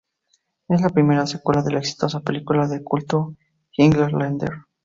Es la primera secuela de la exitosa película de culto "Highlander".